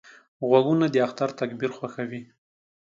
غوږونه د اختر تکبیر خوښوي